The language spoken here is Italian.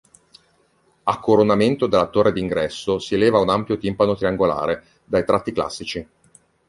A coronamento della torre d'ingresso si eleva un ampio timpano triangolare, dai tratti classici.